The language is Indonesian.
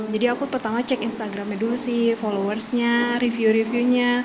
jadi aku pertama cek instagramnya dulu sih followersnya review reviewnya